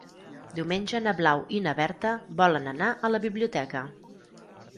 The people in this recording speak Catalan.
Diumenge na Blau i na Berta volen anar a la biblioteca.